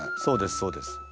そうですそうです。